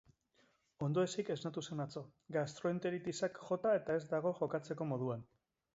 Ondoezik esnatu zen atzo, gastroenteritisak jota eta ez dago jokatzeko moduan.